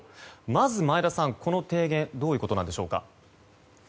まず前田さん、この提言はどういうことなんでしょうか。